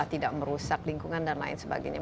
tidak merusak lingkungan dan lain sebagainya